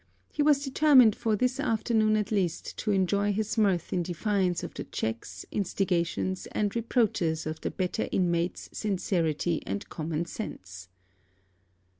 He was determined for this afternoon at least to enjoy his mirth in defiance of the checks, instigations, or reproaches of the better inmates sincerity and common sense.